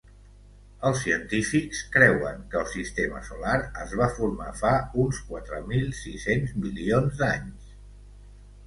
Els científics creuen que el Sistema Solar es va formar fa uns quatre mil sis-cents milions d'anys.